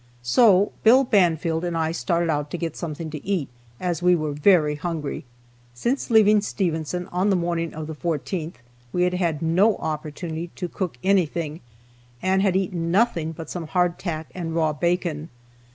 So Bill Banfield and I started out to get something to eat, as we were very hungry. Since leaving Stevenson on the morning of the 14th, we had had no opportunity to cook anything, and had eaten nothing but some hardtack and raw bacon.